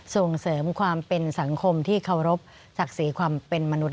ส่งเสริมความเป็นสังคมที่เคารพศักดิ์ศรีความเป็นมนุษย